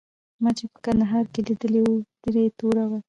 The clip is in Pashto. ما چې په کندهار کې لیدلی وو ږیره یې توره وه.